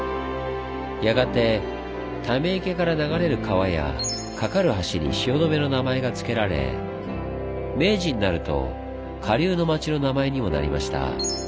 やがて溜池から流れる川や架かる橋に「汐留」の名前が付けられ明治になると下流の町の名前にもなりました。